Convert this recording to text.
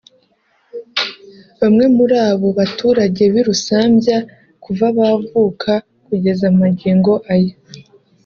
Bamwe muri abo baturage b’i Rusambya kuva bavuka kugeza magingo aya